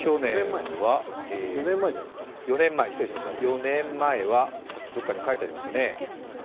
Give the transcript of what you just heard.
４年前はさっきどこかに書いてありましたね。